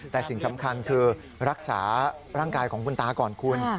แต่สิ่งสำคัญคือรักษาร่างกายของคุณตาก่อนคุณ